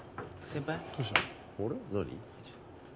先輩。